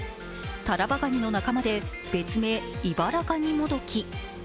タラバガニの仲間で別名・イバラガニモドキ。